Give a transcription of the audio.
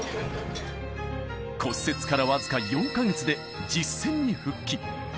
骨折から僅か４か月で実戦に復帰。